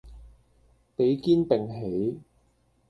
比肩並起